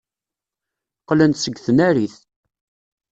Qqlen-d seg tnarit.